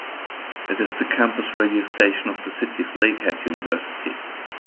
It is the campus radio station of the city's Lakehead University.